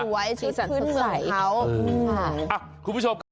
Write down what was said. สวยชิ้นขึ้นเหมือนเค้าคุณผู้ชมกัน